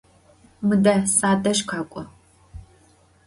Mıde sadej khak'o!